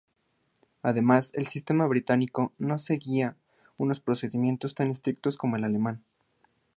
Además, el sistema británico no seguía unos procedimientos tan estrictos como el alemán.